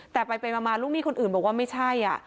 แต่ไปมาลูกหนี้คนอื่นบอกว่าไม่ใช่